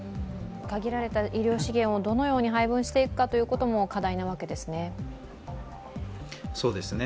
限られた医療資源をどのように配分していくかということも課題なわけですね。